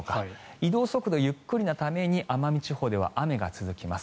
移動速度、ゆっくりなために奄美地方では雨が続きます。